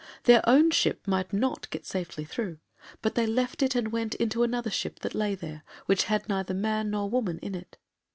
Their own ship might not get safely through; but they left it and went into another ship that lay there, which had neither man nor woman in it.